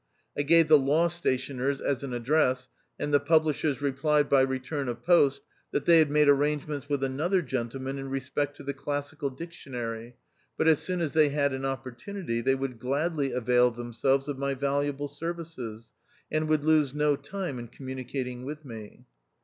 I gave the law stationer's as an address, and the publishers replied by return of post, that they had made arrangements with another gentleman in re spect to the Classical Dictionary, but as soon as they had an opportunity, they would gladly avail themselves of my valuable ser vices, and would lose no time in communi cating with me.